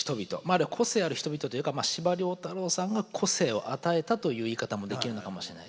個性ある人々というか司馬太郎さんが個性を与えたという言い方もできるのかもしれない。